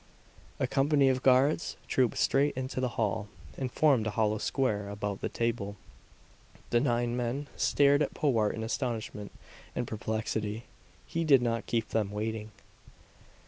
A company of guards trooped straight into the hall, and formed a hollow square about the table. The nine men stared at Powart in astonishment and perplexity. He did not keep them waiting.